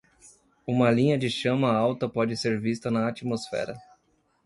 Uma linha de chama alta pode ser vista na atmosfera.